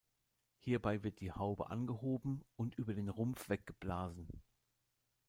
Hierbei wird die Haube angehoben und über den Rumpf weggeblasen.